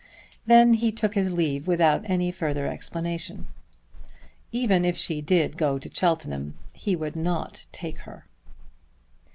Then he took his leave without any further explanation. Even if she did go to Cheltenham he would not take her.